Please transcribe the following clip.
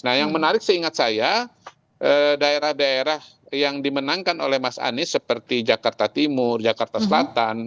nah yang menarik seingat saya daerah daerah yang dimenangkan oleh mas anies seperti jakarta timur jakarta selatan